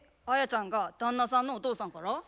アヤちゃんが旦那さんのお父さんから？